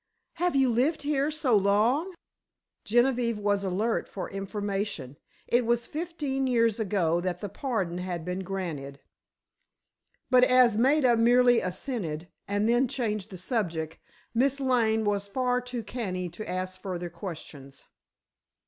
"Have you lived here so long?" Genevieve was alert for information. It was fifteen years ago that the pardon had been granted. But as Maida merely assented and then changed the subject, Miss Lane was far too canny to ask further questions.